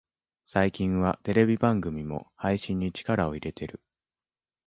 最近はテレビ番組も配信に力を入れてる